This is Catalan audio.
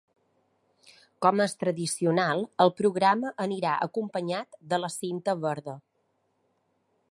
Com és tradicional, el programa anirà acompanyat de la cinta verda.